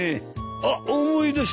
あっ思い出したよ。